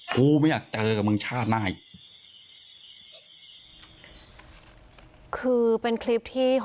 กูไม่อยากเจอกับมึงชาติหน้าอีก